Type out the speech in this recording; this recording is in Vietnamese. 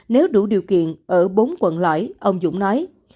nếu đủ điều kiện ở bốn quận lãi ông dũng nói